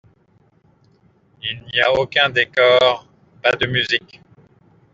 Il n'y a aucun décor, pas de musique.